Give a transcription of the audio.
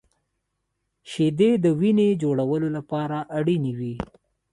• شیدې د وینې جوړولو لپاره اړینې وي.